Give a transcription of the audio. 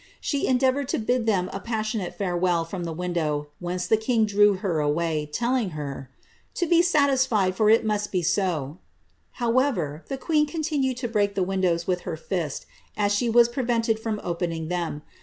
Sheendeavonred to bid them ■asiimsfn &rewell from the window, whence the king draw her away, Hag bar ^ to be satisfied, for it must be aa However, the queen Mianed to break the windows with her fist, as she was prevented ■I opening them.